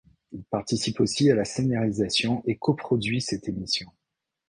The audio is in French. Il participe aussi à la scénarisation et coproduit cette émission.